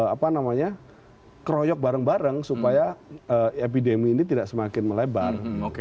apa namanya keroyok bareng bareng supaya epidemi ini tidak semakin melebar